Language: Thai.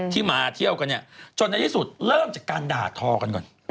มาเที่ยวกันเนี่ยจนในที่สุดเริ่มจากการด่าทอกันก่อน